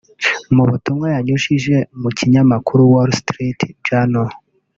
Mu butumwa yanyujije mu kinyamakuru Wall Street Journal